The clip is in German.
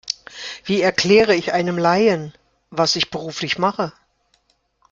Wie erkläre ich einem Laien, was ich beruflich mache?